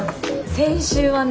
先週はね